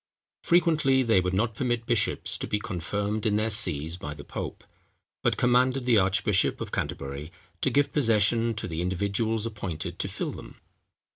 Frequently they would not permit bishops to be confirmed in their sees by the pope, but commanded the archbishop of Canterbury to give possession to the individuals appointed to fill them.